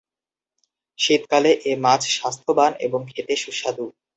শীতকালে এ মাছ স্বাস্থ্যবান এবং খেতে সুস্বাদু।